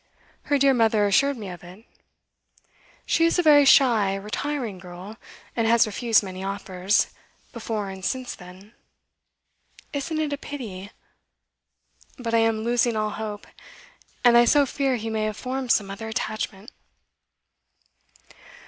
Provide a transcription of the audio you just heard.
Her dear mother assured me of it. She is a very shy, retiring girl, and has refused many offers, before and since then. Isn't it a pity? But I am losing all hope, and I so fear he may have formed some other attachment.